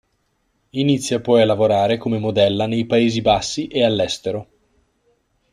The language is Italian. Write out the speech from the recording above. Inizia poi a lavorare come modella nei Paesi Bassi e all'estero.